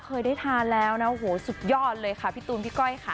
เคยได้ทานแล้วนะโอ้โหสุดยอดเลยค่ะพี่ตูนพี่ก้อยค่ะ